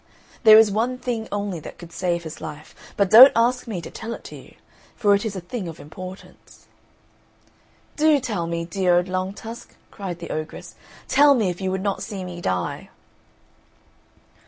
There is one thing only that could save his life, but don't ask me to tell it to you, for it is a thing of importance." "Do tell me, dear old Long tusk," cried the ogress; "tell me, if you would not see me die."